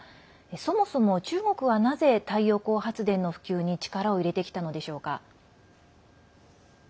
そもそも中国はなぜ太陽光発電の普及に力を入れてきたのでしょうか。